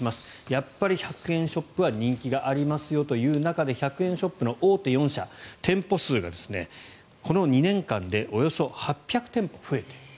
やっぱり１００円ショップは人気がありますよという中で１００円ショップの大手４社店舗数がこの２年間でおよそ８００店舗増えている。